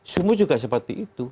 sumut juga seperti itu